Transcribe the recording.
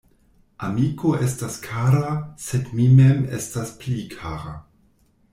Amiko estas kara, sed mi mem estas pli kara.